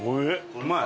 うまい？